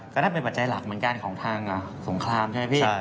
ก็นั่นเป็นปัจจัยหลักเหมือนกันของทางสงครามใช่ไหมพี่